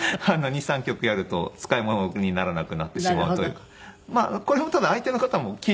２３局やると使い物にならなくなってしまうというか。